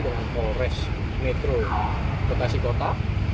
dengan polres metro bekasi kota